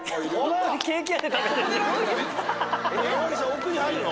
奥に入るの？